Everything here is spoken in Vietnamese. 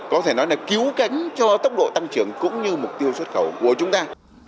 có thể nói là cứu cánh cho tốc độ tăng trưởng cũng như mục tiêu xuất khẩu của chúng ta